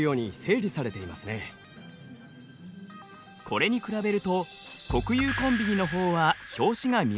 これに比べると国有コンビニのほうは表紙が見えません。